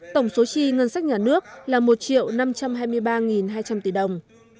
tổng số chi ngân sách nhà nước là một năm trăm hai mươi ba hai trăm linh tỷ đồng